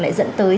lại dẫn tới